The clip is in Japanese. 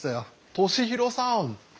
利宏さん。